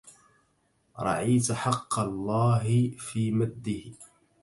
رعيتَ حقَّ اللَهِ في مَدّه